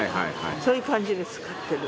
そういう感じで使ってる。